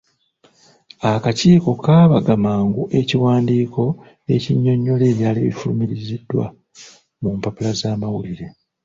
Akakiiko kaabaga mangu ekiwandiiko ekinnyonnyola ebyali bifulumiziddwa mu mpapula z’amawulire.